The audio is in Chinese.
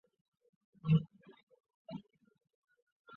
落实在检察业务中